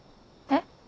えっ？